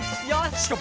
しかも。